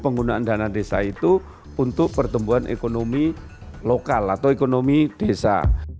penggunaan dana desa itu untuk pertumbuhan ekonomi lokal atau ekonomi desa